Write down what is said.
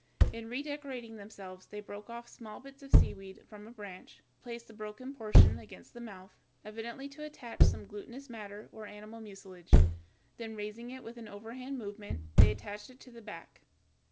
In redecorating themselves they broke off small bits of seaweed from a branch, placed the broken portion against the mouth, evidently to attach some glutinous matter or animal mucilage, then raising it with an overhand movement, they attached it to the back.